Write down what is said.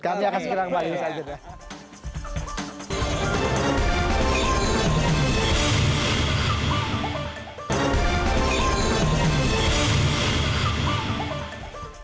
kami akan segera kembali usaha saja